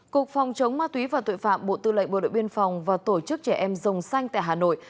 cục phòng chống ma túy và tội phạm bộ tư lệnh bộ đội biên phòng và tổ chức trẻ em rồng xanh tại hà nội